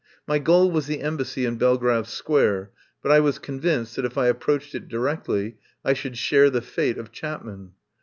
My goal was the Embassy in Belgrave Square, but I was convinced that if I ap proached it directly I should share the fate of Chapman.